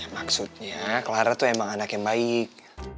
maksudnya clara itu emang anak yang baik